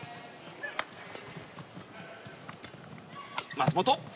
松本！